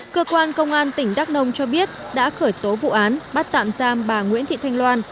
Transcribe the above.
cơ quan công an tỉnh đắk nông cho biết đã khởi tố vụ án bắt tạm giam bà nguyễn thị thanh loan